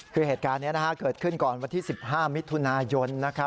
คือเหตุการณ์นี้เกิดขึ้นก่อนวันที่๑๕มิถุนายน